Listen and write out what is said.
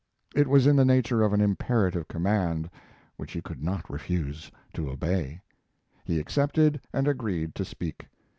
It was in the nature of an imperative command, which he could not refuse to obey. He accepted and agreed to speak.